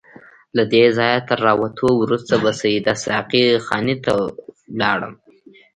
له دې ځایه تر راوتو وروسته به سیده ساقي خانې ته ولاړم.